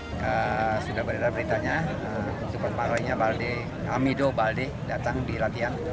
dan sudah berita beritanya supermarainya amido balde datang di latihan